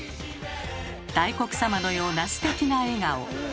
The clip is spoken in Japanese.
大黒様のようなステキな笑顔。